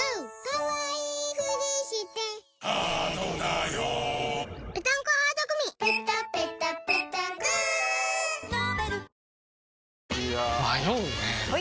いや迷うねはい！